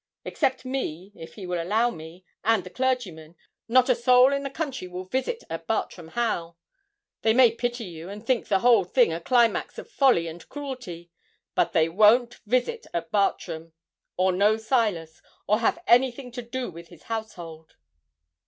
Except me, if he will allow me, and the clergyman, not a soul in the country will visit at Bartram Haugh. They may pity you, and think the whole thing the climax of folly and cruelty; but they won't visit at Bartram, or know Silas, or have anything to do with his household.'